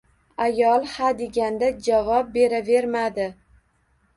Ayol hadeganda javob beravermadi